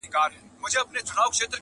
هر څوک د پېښې معنا بېله بېله اخلي,